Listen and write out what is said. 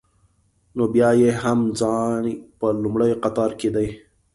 نو بیا یې هم ځای په لومړي قطار کې دی.